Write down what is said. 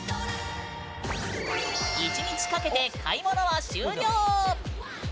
１日かけて買い物は終了！